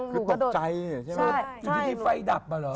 คือตกใจใช่ไหมอยู่ดีไฟดับมาเหรอ